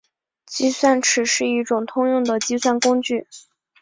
计算尺是一种通用的计算工具。